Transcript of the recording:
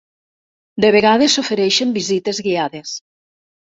De vegades s'ofereixen visites guiades.